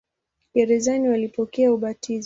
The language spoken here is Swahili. Gerezani walipokea ubatizo.